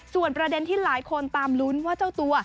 ส่วนประเด็นที่หลายคนตามลุ้นว่าเจ้าตัว